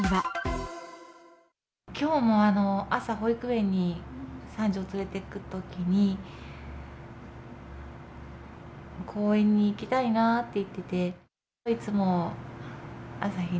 きょうも朝、保育園に三女を連れていくときに、公園に行きたいなって言ってて。